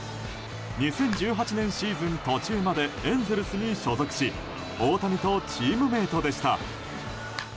２０１８年シーズン途中までエンゼルスに所属し大谷とチームメートでした。